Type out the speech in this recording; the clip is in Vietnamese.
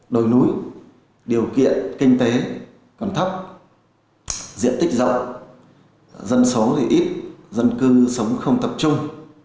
đồi núi điều kiện kinh tế còn thấp diện tích rộng dân số thì ít dân cư sống không tập trung